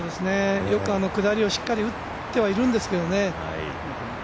あの下りをしっかり打ってはいるんですけどね。